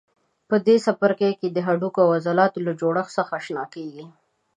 په دې څپرکي کې د هډوکو او عضلاتو له جوړښت سره آشنا کېږئ.